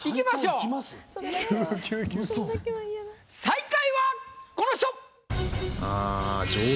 最下位はこの人！